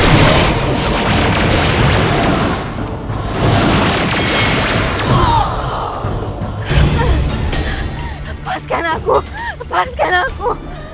lepaskan aku lepaskan aku